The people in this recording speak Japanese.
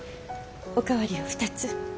お代わりを２つ。